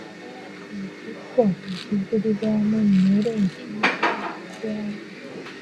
Ekibbo ekijjulirwamu emmere kiyitibwa kitya?